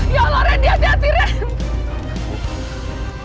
ya allah rem dia dia tirim